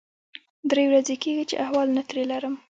درې ورځې کېږي چې احوال نه ترې لرم.